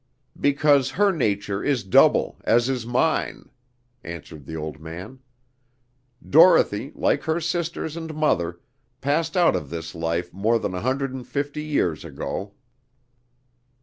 "Because her nature is double, as is mine," answered the old man. "Dorothy, like her sisters and mother, passed out of this life more than a hundred and fifty years ago."